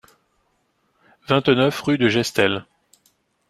vingt-neuf rue de Gestel